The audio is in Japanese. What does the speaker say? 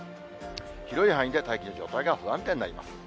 広い範囲で大気の状態が不安定になります。